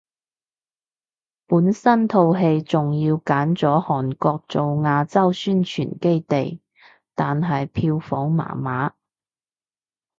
本身套戲仲要揀咗韓國做亞洲宣傳基地，但係票房麻麻